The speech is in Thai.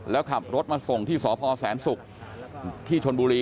แล้วขับรถมาส่งที่สพแสนศุกร์ที่ชนบุรี